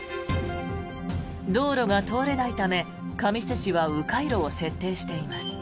道路が通れないため、神栖市は迂回路を設定しています。